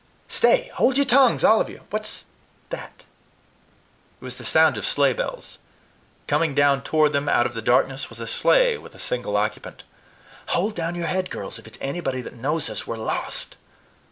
Stay, hold your tongues, all of you what's that?" It was the sound of sleigh bells. Coming down toward them out of the darkness was a sleigh with a single occupant. "Hold down your heads, girls: if it's anybody that knows us, we're lost."